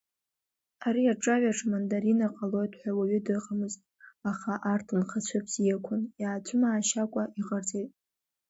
Ари аҿаҩаҿ амандарина ҟалоит ҳәа уаҩы дыҟамызт, аха арҭ нхацәа бзиақәан, иацәымаашьакәа иҟарҵеит.